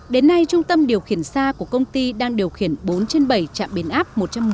đến nay trung tâm điều khiển xa của công ty đang điều khiển bốn trên bảy trạm biến áp một trăm một mươi